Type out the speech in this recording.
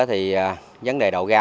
thì vấn đề đầu ga